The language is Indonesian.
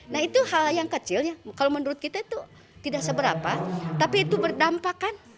nah itu hal yang kecil ya kalau menurut kita itu tidak seberapa tapi itu berdampak kan